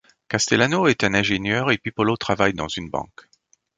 Castellano est un ingénieur et Pipolo travaille dans une banque.